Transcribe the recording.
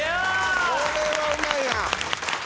これはうまいな。